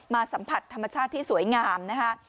สัมผัสธรรมชาติที่สวยงามนะคะ